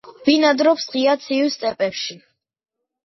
ბინადრობენ ღია ცივ სტეპებში.